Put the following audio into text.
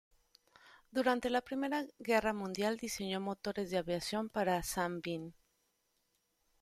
Durante la Primera Guerra Mundial diseñó motores de aviación para Sunbeam.